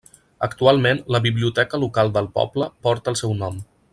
Actualment, la biblioteca local del poble porta el seu nom.